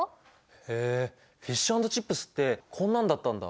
へえフィッシュ＆チップスってこんなんだったんだ。